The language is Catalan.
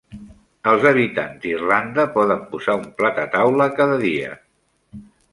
Els habitants d'Irlanda poden posar un plat a taula cada dia.